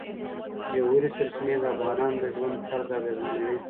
ژورې سرچینې د افغانانو د ژوند طرز اغېزمنوي.